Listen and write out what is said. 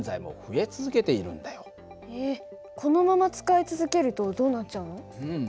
えっこのまま使い続けるとどうなっちゃうの？